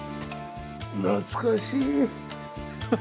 懐かしい。